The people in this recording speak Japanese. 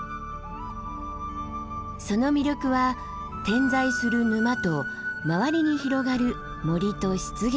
その魅力は点在する沼と周りに広がる森と湿原。